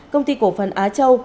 công ty cổ phần á châu